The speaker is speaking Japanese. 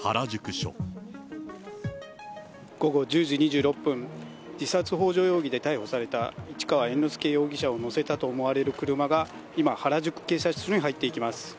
午後１０時２６分、自殺ほう助容疑で逮捕された市川猿之助容疑者を乗せたと思われる車が、今、原宿警察署に入っていきます。